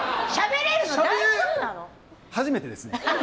初めてです。